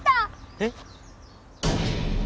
えっ